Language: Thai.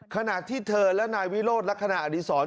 ขณะที่เธอและนายวิโรธและคณะอดีตสอน